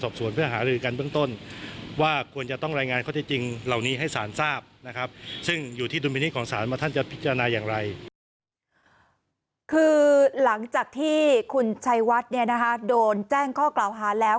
คือหลังจากที่คุณชัยวัดโดนแจ้งข้อกล่าวหาแล้ว